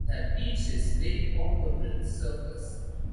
The beach is very popular with surfers.